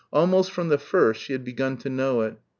Almost from the first she had begun to know it.